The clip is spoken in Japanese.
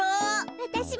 わたしも。